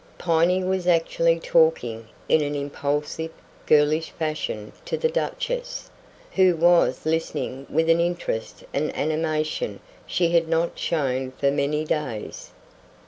Piney was actually talking in an impulsive, girlish fashion to the Duchess, who was listening with an interest and animation she had not shown for many days.